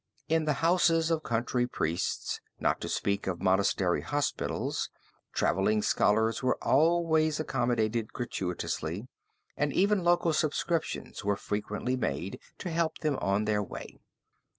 In the houses of country priests not to speak of the monastery hospitals traveling scholars were always accommodated gratuitously, and even local subscriptions were frequently made to help them on their way.